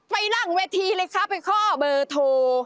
ไปรั่งเวทีเลยครับไปค่อเบอร์โทร